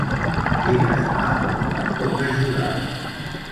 Digues-me com et puc ajudar.